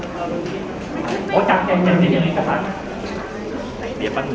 สร้างแรงในส่วน